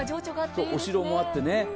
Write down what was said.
お城もあってね。